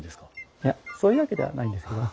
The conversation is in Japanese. いやそういうわけではないんですけど。